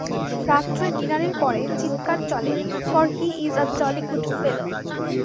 রাত্রে ডিনারের পরে চীৎকার চলে, for he is a jolly good fellow.